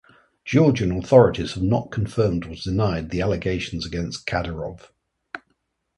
Georgian authorities have not confirmed or denied the allegations against Kadyrov.